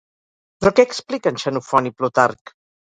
Però què expliquen Xenofont i Plutarc?